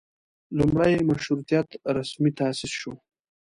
لومړۍ مشروطیت رسمي تاسیس شو.